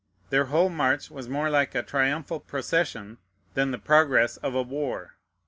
Their whole march was more like a triumphal procession than the progress of a war.